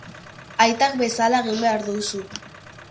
Aitak bezala egin behar duzu.